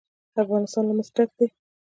افغانستان له مس ډک دی.